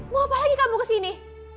mau apa lagi kamu kesini